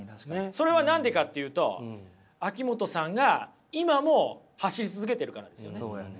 それは何でかっていうと秋元さんが今も走り続けてるからですよね。